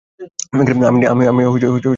আমি নিজেই করতে পারব।